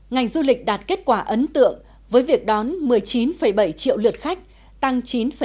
ngành du lịch đạt kết quả ấn tượng với việc đón một mươi chín bảy triệu lượt khách tăng chín năm